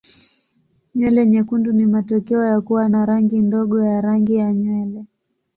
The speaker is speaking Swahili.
Nywele nyekundu ni matokeo ya kuwa na rangi ndogo ya rangi ya nywele.